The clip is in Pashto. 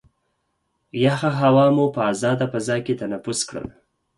یخه هوا مو په ازاده فضا کې تنفس کړل.